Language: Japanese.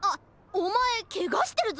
おまえケガしてるぞ！